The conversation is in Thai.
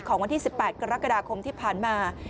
วันที่๑๘กรกฎาคมที่ผ่านมา